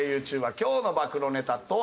今日の暴露ネタとは？